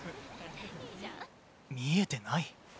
見えてない？